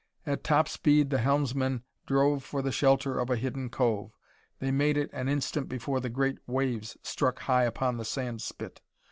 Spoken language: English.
At top speed the helmsman drove for the shelter of a hidden cove. They made it an instant before the great waves struck high upon the sand spit.